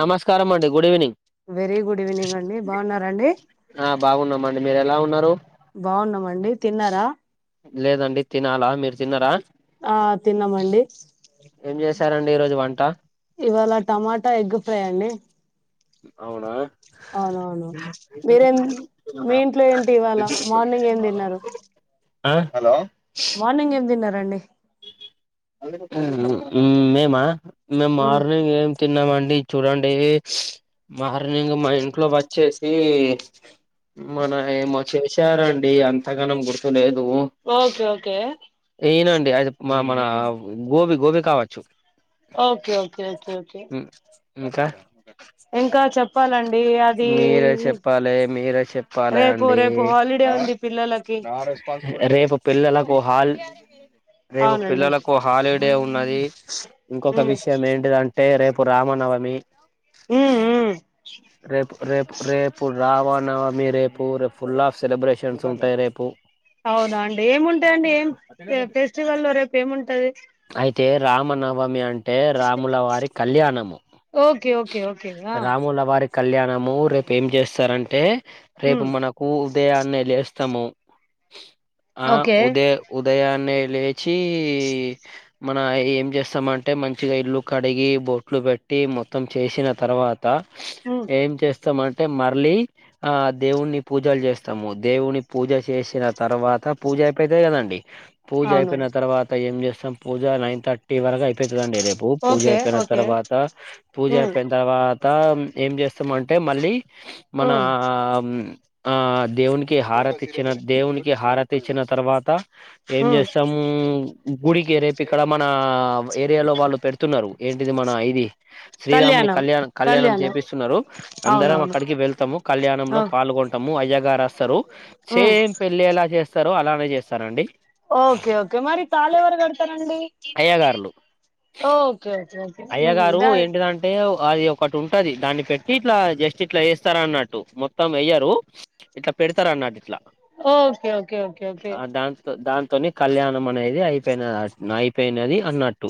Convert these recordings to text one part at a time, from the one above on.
నమస్కారం అండి good evening very good evening అండి బాగున్నారండి ఆ బాగున్నామ అండి మీరు ఎలా ఉన్నారు బాగున్నామండి తిన్నారా లేదండి తినాలా మీరు తిన్నరా ఆ తిన్నామండి ఏం చేశారండి ఈరోజు వంట ఇవాళ టమాటా ఎగ్ ఫ్రై అండి ఆ అవునవును మీరేం మీ ఇంట్లో ఏంటి ఇవాల మార్నింగ్ ఏం తిన్నారు ఆ హలో మార్నింగ్ ఏం తిన్న రండి మేమా మేము ఉమ్. మార్నింగ్ ఏం తిన్నామండి చూడండి మార్నింగ్ మా ఇంట్లో వచ్చేసి ఈ మన ఏమో చేసారండి అంతగానం గుర్తులేద్ ఓకే ఓకే అ మన గోబి గోబి కావచ్చు ఓకే ఓకే ఓకే ఓకే ఇంకా ఇంకా చెప్పాలండి అది మీరే అది చెప్పాలి మీరే చెప్పాలి రేపు అండి రేపు హాలిడే ఉంది పిల్లో లకి రేపు పిల్లలకు హల్ రేపు అవునండి పిల్లలకు హాలిడే ఉన్నది ఇంకొక ఉమ్ విషయం ఏంటిదంటే రేపు రామనవమి ఉమ్ ఉ రేపు రేపు రేపు రావనవమి రేపు రేపు ఫుల్ ఆఫ్ సెలబ్రేషన్స్ ఉంటాయి రేపు అవునా అండి ఏముంటాయిండి ఏం ఫెస్టివల్ల్లో రేపు ఏముంటది అయితే రామనవమి అం టే రాములవారి కళ్యాణము, ఓకే ఓకే ఓకే ఆ రాములవారి కళ్యాణము రేపు ఏం చేస్తారంటే, రేపు ఉమ్ మనకు ఉదయాన్నే లేస్ తము. ఆ ఓకే ఉదయ ఉదయాన్నే లేచి మన ఏం చేస్తామంటే. మంచిగా ఇల్లు కడిగి బోట్లు పెట్టి మొత్తం. చేసిన తర్వాత్ త ఉమ్ ఏం చేస్ స్తాం. అంటే మర్ళ్ళీ ఆ దేవుణి పూజలు చేస్తాము. దేవుని పూజ చేసిన తర్వాత్ త పూజ అయిపోయిది కదండి. పూజ అవును అయిపోయిన తర్వాత ఏం చేస్తాం. పూజ నైన్ థర్టీ టి వరకు అయిపోయిది కదండి. రేపు పూజ ఓకే అయిపోయిన ఓకే తర్వాత, పూజ ఉమ్ అయిపోయిన తర్వాత త ఏం చేస్తామంటే మళ్ళీ మన ఉమ్ మ్మ్ ఆ దేవునికి హారతి ఇచ్చిన, దేవునికి హారతి ఇచ్చిన తర్వాత. ఏం ఉమ్ చేస్తాము. గుడికి రేపు ఇక్కడ మన ఏరియాలో వాళ్ళు పెడుతున్నారు. ఏంటిది మన ఇది శ్రీరాముని కళ్యాణ కళ్యాణం చేపిస్తున్నారు. అందరం అవునవును అక్కడికి వెళ్తాము. ఆ కళ్యాణంలో పాల్గొంటామ్ ము అయ్యాగారు వస్తారు. ఉమ్ సేమ్ పెళ్ళి ఎలా చేస్తారో అలానే చేస్తారంండి. ఓకే ఓకే మరి తాళి ఎవరు కడతారంండి. ఓకే ఓ అయ్య గారు ఏంటిదంటే అది ఒకటి ఉంటది. దాన్ని పెట్టి ఇట్లా జస్ట్ ఇట్లా ఏస్తార అన్నట్టు. మొత్తం వేయ్యరు ఇట్లా పెడతారన్నట్ ఇట్లా ఓకే ఓకే ఓకే ఓకే తుని కళ్యాణం అనేది అయిపోయినది నయిపోయినది అన్నట్టు.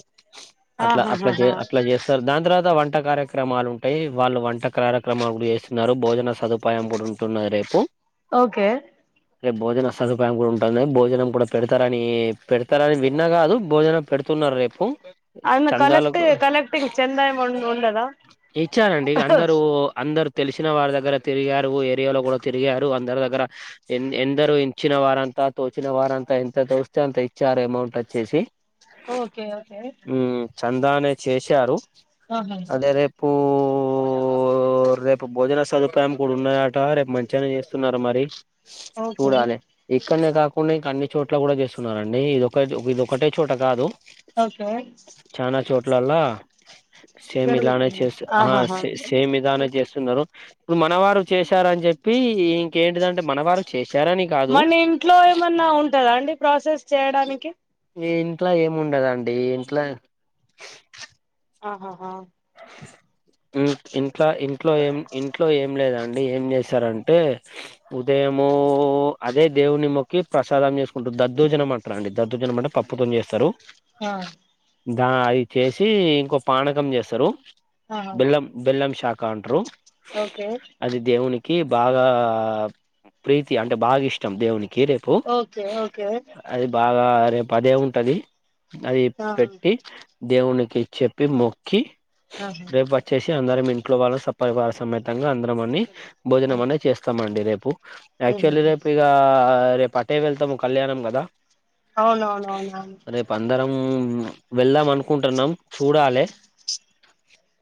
అట్లా అట్లా చే ఆహాహాహా అట్లా చేస్తారు. దాని తర్వాత వంట కార్యక్రమాలు ఉంటాయి. వాళ్ళు వంట క్రార క్రమాలు కూడా చేస్తున్నారు. భోజన సదుపాయం గూడా ఉంటున్నద్ రేపు. ఓకే రేపు భోజనం సదుపాయం గూడా ఉంటందన్. భోజనం కూడా పెడతారని. పెడతారని విన్నా గాదు. భోజనం పెడుతు తునర్ రేపు అద్మార్ కలెక్ట్ చందాలకు కలెక్టీంగ్ చెందా ఏమో ఉం ఉండదా? ఇచ్చారండి అందరూ అందరు తెలిసిన వారి దగ్గర తిరిగారు. ఊ ఏరియాలో గూడా తిరిగారు, అందరు దగ్గరా ఇం ఎందరో ఇంచిన వారంతా తోచిన వారంతా, ఎంత తోస్తే, అంత ఇచ్చారు. అమౌంట్ వచ్చేసి ఓకే ఓకే నా దానే చేశారు. అదే రేపు పూ రేపు భోజన సదుపాయం కూడా ఉన్నాయాట. రేపు మంచిగానే చేస్తున్నారు మరి. ఓకే చూడాలే ఇక్కన్నే గాక్ కొన్నింకన్ని చోట్ల కూడా చేస్తున్నారంండి. ఇదొకచో ఇదోఒకటే చోట కాదు. ఓకే ఇట్లాల్ల సేమ్ ఇలానే జరుగుతుంది చేస్, ఆ ఆహాహా సే సేమ్ ఇలానే జెస్ స్తున్నారు. ఇప్పుడు మనవారు చేశార అని చెప్పి. ఇ ఇంకేంటిదంటే మన వారు చేశారని కాదు. మన ఇంట్లో ఏమన్నా ఉంటదా అండి ప్రాసెస్ చేయడానికి ఈ ఇంట్ల ఏముండదండి. ఈ ఇంట్ల ఆహాహా హ్మ్ ఇంట్ల ఇంట్లో ఏం ఇంట్లో ఏం లేదండ్ డి ఏం చేస్తారంటే. ఉదయము అదే దేవుని మొక్కి ప్రసాదం చేసుకుంట్ దద్దోజనం అంట్రండి దద్ధుజనం అంటే పప్పుతోని చేస్తారు. ఆ దా అయి చేసి ఇంకో పానకం చేస్తారు. ఆ బెల్లం, బెల్లం ష్ షాకా అంట్రు. ఓకే కి బాగా ప్రీతి అంటే బాగా ఇష్టం. దేవునికి కి రేపు ఓకే ఓకే అది బాగ్ ఆ రేపు అదే ఉంటది. అయి ఆ ఆహా పెట్టి దేవునికి చెప్పి మొక్కి. మేం వచ్చేస్ అందరం ఇంట్లో వాళ్ళ సప్పరి వరా సమేతంగా అందరం అని ఆ భోజనం అనే చేస్తామండి రేప్ యాక్చువల్లీ ఉహుహు రేపు ఇగా రేపు అటే వెళ్తాము కళ్యాణం కదా అవునవునవునవును రేపు అందరం వెళ్దాం అనుకుంటున్నాం చూడాలే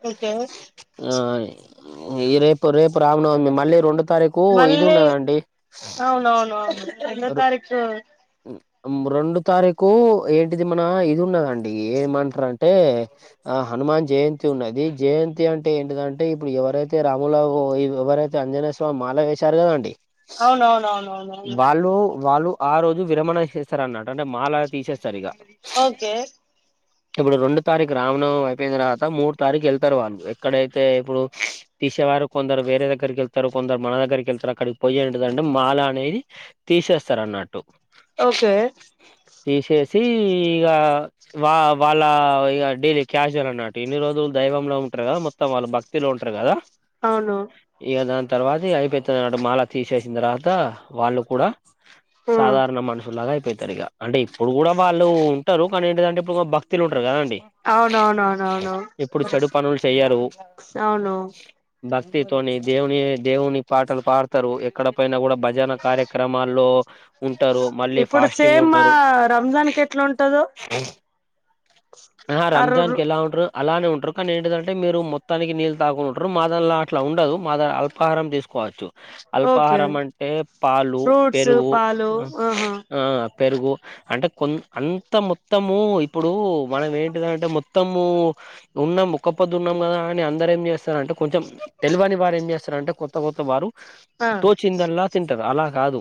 ఓకే ఆ ఈ రేపు రేపు రామనవమి మళ్ళీ రెండు తారీకు ఇది మళ్ళీ ఉన్నదండి అవునవునవును రెండో తారీకు రెండు తారీకు ఏంటిది మన ఇది ఉన్నదండి ఏమంటారంటే ఆ హనుమాన్ జయంతి ఉన్నది జయంతి అంటే ఏంటిదంటే ఇప్పుడు ఎవరైతే రాముల ఎవరైతే ఆంజనేయ స్వామి మాల వేశారుగాద అండి అవునవునవును వాళ్ళు వాళ్ళు ఆ రోజు విరమణ ఇ చేస్తారు అన్నట్ అంటే మాల తీసేస్తారు ఇక ఓకే ఇప్పుడు రెండు తారీక రావణం అయిపోయిన తర్వాత మూడు తారీక వెళ్తారు వాళ్ళు ఎక్కడైతే ఇప్పుడు తీసేవారు కొందరు వేరేగ్గరికి వెళ్తారు కొందరు మన దగ్గరికి వెళ్తారు అక్కడికి పోయి ఏంటంటే మాల అనేది తీసేస్తార అన్నట్టు ఓకే చి ఇగా వా వాళ్ళ ఇ డైలీ క్యాషువల్ అన్నట్టు ఎన్ని రోజులు దైవంలో ఉ ఉంటార్గ మొత్తం వాళ్ళు భక్తిలో ఉంటారు కదా అవును ఇక దాని తర్వాత అయిపోయితు అటు మాల తీసేసిన తర్వాత వాళ్ళు కూడా ఉమ్ సాధారణ మానసులాగా అయిపోయి తిరిగా అంటే ఇప్పుడు కూడా వాళ్ళు ఉంటారు కానీ ఏంటంటే ఇప్పుడు భక్తులు ఉంట ఉంటారుగదా అవునవునవునవును ఇప్పుడు చెడు పనులు చెయ్యరు అవును భక్తితోని దేవుని దేవుని పాటలు పాడతారు ఎక్కడ పైన కూడా భజన కార్యక్రమాల్లో ఉంటారు మళ్ళీ ఇప్పుడు ఫాస్టింగ్ సేమ్ మా ఉంటారు రంజాన్ కి ఎట్లా ఉంటదో ఆ రంజాన్కెలా ఉంటారో అలానే ఉంటారు కానీ ఏంటిదంటే మీరు మొత్తానికి నీళ్ళు తాగోకుండా ఉంటారు మా దాళ్ళ అట్లా ఉండదు మా ద అల్పాహారం తీసుకోవచ్చు ఓకే అల్పాహారం అంటే పాలు ఫ్రూట్స్ పెరుగు పాలు ఆహా ఆ పెరుగు అంటే కొ అంత మొత్తము ఇప్పుడు మనం ఏంటిదంటే మొత్తము ఉన్నాం ముక్క పొద్దు ఉన్నాం కదా అని అందర ఏం చేస్తారంటే కొంచెం తెలివని వారు ఏం చేస్తారంటే కొత్త కొత్త వారు ఆ తోచిందల్లా అలా కాదు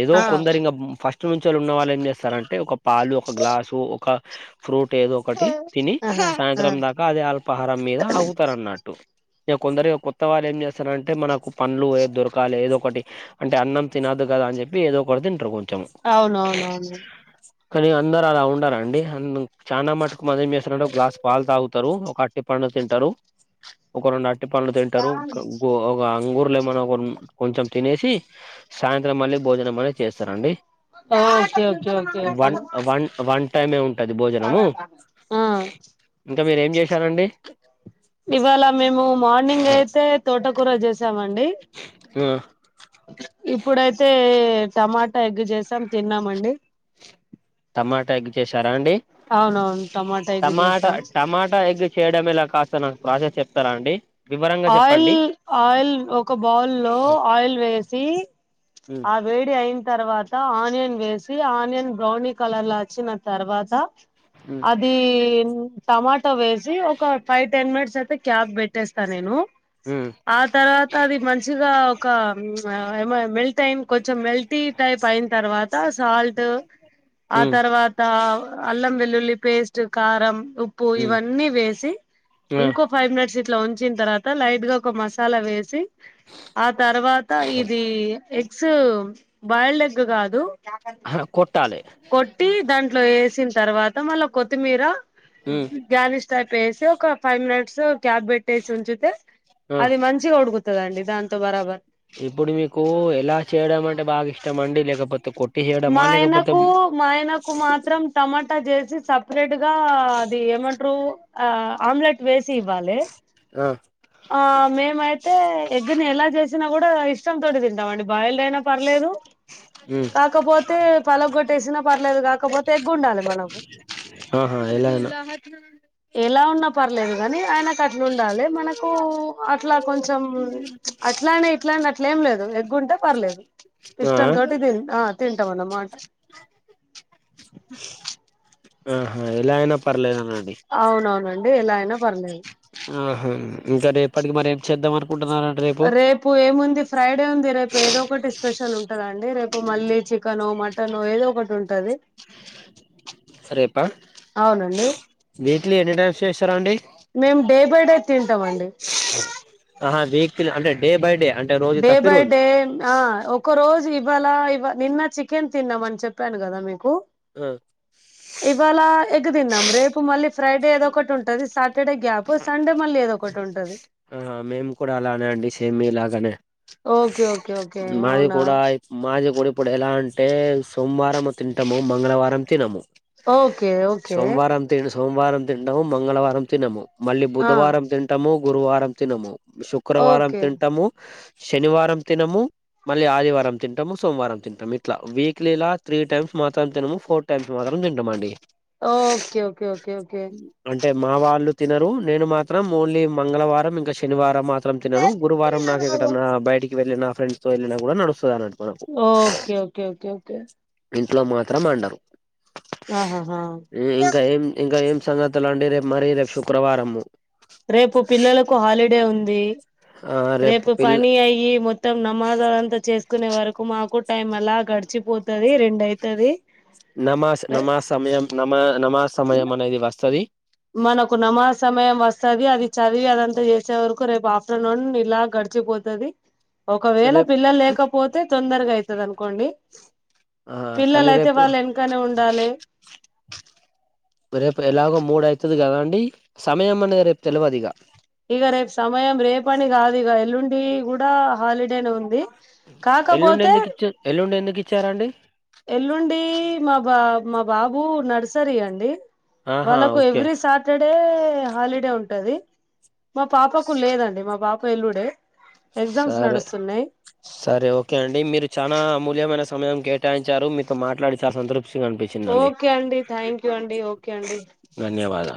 ఏదో ఆ కొందరింగా ఫస్ట్ స్ట్ నుంచి వాళ్ళు ఉన్న వాళ్ళు ఏం చేస్తారంటే ఒక పాలు ఒక గ్లాసు ఒక ఫ్రూట్ ఒక ఏద ఒకటి తిని ఆహా ఆ సాయంత్రం దాకా అదే అల్పాహారం మీద ఆగుతారు అన్నట్టు ఇక కొందరిగా కొత్త వాళ్ళ ఏం చేస్తారంటే మనకు పండ్లు ఏ దొరకాలి ఏదో ఒకటి అంటే అన్నం తినద్దు అని చెప్పి ఏదో ఒక కూడా తింటరుగు అవునవునవును కానీ అందరు అలా ఉండారండి చానా మటుకు మ ఏం చేస్తారంటే ఒక గ్లాస్ పాలు తాగుతారు ఒక అట్టి పండు తింటారు ఒక రెండు అ ట్టి పండ్లు తింటారు ఒక అంగూరలు ఏమన్నా కొంచెం తినేసి సాయంత్రం మళ్ళీ భోజనం అనే చేస్తారండి okay okay okay okay one one one టది భోజనము ఆ ఇంకా మీర ఏం చేసారండి ఇవాళ మేము మార్నింగ్ అయితే తోట కూర చేసామండి ఆ ఇప్పుడైతే టమాటా ఎగ్ చేసాం తిన్నామండి టమాటా ఎగ్ చేశారా అండి అవునవును టమాటా ఎగ్ టమాటా చేసాం టమాటా ఎగ్ చేయడం ఎలా కా స్తా నాకు ప్రాసెస్ చెప్తారా అండి వివరంగా ఆయిల్ చెప్పండి ఆయిల్ ఒక బౌల్లో ఆయిల్ వేసి ఉమ్, ఆ వేడి అయిన తర్వాత ఆనియన్ వేస్ సి ఆనియన్ బ్రౌని కలర్లా వచ్చిన తర్వాత ఉమ్, అది టమాటా వేసి ఒక ఫైవ్ టెన్ మినిట్స్ అయితే క్యాప్ పెట్టేస్తా నేను ఉమ్, ఆ తర్వాత అది మంచిగా ఒక మెల్ టైన్ కొంచెం మెల్టీ టైప్ అయిన తర్వా త సాల్టు ఆ తర్వాత అల్లం వెల్లుల్లి పేస్టు కారం ఉప్పు ఉమ్, ఇవన్నీ వేసి ఉమ్, ఇంకో ఫైవ్ మినిట్స్ ఇట్లా ఉ వచ్చిన తర్వాత లైట్ గా ఒక మసాలా వేసి ఆ తర్వాత ఇది ఎగ్స్ బాయిల్డ్ ఎగ్ గాదు ఆ, కొట్టాలి కొట్టి దాంట్లో వేసిన తర్వాత మళ్ళా కొత్తిమీర ఉమ్, గ్యనిష్ టైప్ వేసి ఒక ఫైవ్ మినిట్స్ క్యాబ్ ట్టేసి ఉంచితే ఆ అది మంచిగా ఉడుకుతదండి దాంతో బరాబర్ ఇప్పుడు మీకు ఎలా చేయడం అంటే బాగా ఇష్టం అండి లేకపో మా ఆయనకు మా ఆయనకు మాత్రం టమా టా జేసి సపరేట్ గా అది ఏమంటారు ఆ ఆమ్లెట్ వేసి ఇవ్వాలే ఆ ఆ మేమైతే ఎగ్గుని ఎలా చేసినా కూడా ఇష్టం తోటి తింటామండి బాయల్డయినా పర్లేదు ఉమ్ కాకపోతే అలా పలగ్గోట్టేసిన పర్లేదు కాకపోతే ఎగ్ వండాలి మనకు ఆహా ఎలా అయినా ఎలా ఉన్నా పర్లేదు గాని ఆయనకు అట్లా ఉండాలి మనక్ కు అట్లా కొంచెం అట్లానే ఇట్లానే అట్లే ఏం లేదు ఎగ్గుంటే పర్లేదు ఆ ఇష్టాంంతోటి తి తింటామన్న మాట ఆహా ఎలా అయినా పర్లేదు అనండి డే ఎలా అయినా పర్లేదు ఆహా ఇంకా రేపటికి మరేమ్ చేద్దాం అను రేపు ఏముంది ఫ్రైడే ఉంది రేపు ఏదో ఒకటి స్పెషలు ఉంటదండి రేపు మళ్ళీ చికెనో మటనో ఏదో ఒకటి ఉంటది సరేపా అవునండి వీక్లీ ఎన్ని టైమ్స్ చేస్తారండి మేము డే బై డే తింటామండి ఆ వీక్లీ‌ అంటే డే బై డే అంటే రోజు డే తప్పి బై రోజు డే ఆ ఒక రోజు ఇవాళ ఇవ నిన్న చికెన్ తిన్నామ అని చెప్పాను కదా మీకు ఆ ఇవాళ ఎగ్ తిన్నాం రేపు మళ్ళీ ఫ్రైడే ఏదో ఒకటి ఉంటది సాటర్డే గ్యాపు సండే మళ్ళీ ఏదో ఒకటి ఉంటది ఆ మేము కూడా అలానే అండి సేమ్ మీ లాగానే ఓకే ఓకే ఓకే మాది అవునా కూడా యి మాది కుడ ఇప్పుడు ఎలా అంటే సోమవారం తింటాము మంగళవారం తినము ఓకే ఓకే సోమవారం తిన్ సోమవారం తింటాము మంగళవారం తినము మళ్ళీ ఆ బుధవారం తింటాము గురువారం తినము శుక్రవారం ఓకే తింటాము శనివారం తినము మళ్ళీ ఆదివారం తింటాము సోమవారం తింటాము ఇట్లా వీక్లీ ఇలా త్రీ టైమ్స్ మాత్రం తినము ఫోర్ టైమ్స్ మా మే దింటమండి ఓకే ఓకే ఓకే ఓకే అంటే మా వాళ్ళు తినరు నేను మాత్రం ఓన్లీ మంగళవారం ఇంకా శనివారం మా త్రం తినను గురువారం నాకు ఎక్కడన్నా నా బయటికి వెళ్ళిన ఫ్రెండ్స్ తో వెళ్ళిన కూడా నడుస్తుా అనం ఓకే ఓకే ఓకే ఓకే ఇంట్లో మాత్రం అండరు ఆహాహా ఇంకా ఏం ఇంకా ఏం సంగతులు అండి రేపు మరీ రేపు శుక్రవారము రేపు పిల్లలకు హాలిడే ఉంది ఆ రేపు పిల్ పని అయి మొం మొత్తం నమాజు అదంతా చేసుకునే వరకు మాకు టైం అలా గడిచిపోతది రెండు అయితది నామస్ నామస్ సమయం నామా మనకు నమాసమే వస్తది అది చదివి అదంతా చేస్ వచ్చే వరకు రేపు ఆఫటర్నూన్ ఇలా గడిచిపోతది. ఒకవేళ రేపు పిల్లలు లేకపోతే తొందరగా అయితది అనుకోండి. ఆ కానీ పిల్లలయితే రేపు వాళ్ళు వెనకనే ఉండాలే. రేపు ఎలాగో మూడు అయితది కదండి సమయం అనేది రేపు తెలువదు ఇగా. ఇక ఇది కూడా హాలిడేనే ఉంది. ఎల్లుండి కాకపోతే ఎందుకు ఇచ్చ ఎల్లుండి ఎందుకు ఇచ్చారండి ఎల్లుండి మా బా మా బాబు నర్సరీ అండి. ఆహా వాళ్ళకు okay every Saturday holiday ఉంటది. మా పాపకు లేదండి మా పాప ఎల్లుడే ఎగ్జామ్స్ సరే నడుస్తున్నాయి సరే ఓకే అండి మీరు చానా అమూల్యమైన సమయం కే టాయించారు మీతో మాట్లాడి చానా సంతృప్ తిగా అనిపించిందండి ఓకే అండి థ్యాంక్ యూ అండి ఓకే అండి ధన్యవాదాలు